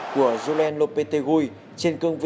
của julen lopetegui trên cương vị